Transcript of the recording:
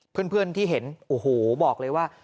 เพื่อนที่เห็นโอ้โหบอกเลยว่า